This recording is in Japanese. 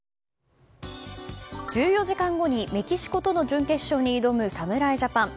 １４時間後にメキシコとの準決勝に挑む侍ジャパン。